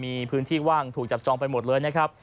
มีพื้นที่ว่างถูกจับจองไปหมดเลยนะครับ